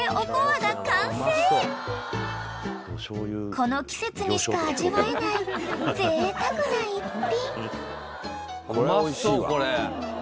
［この季節にしか味わえないぜいたくな逸品］